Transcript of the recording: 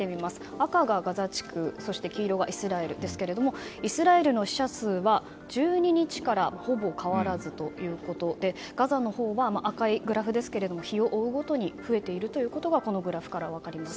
赤がガザ地区そして黄色がイスラエルですがイスラエルの死者数は１２日からほぼ変わらずということでガザのほうは赤いグラフですが日を追うごとに増えていることがこのグラフから分かります。